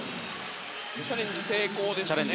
チャレンジ成功ですね。